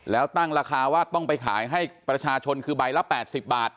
แล้วตั้งราคาว่าต้องไปขายให้ประชาชนคือใบละ๘๐บาท